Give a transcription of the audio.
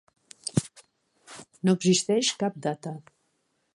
No existeix cap data.